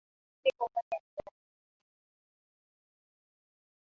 Siku moja nitashinda.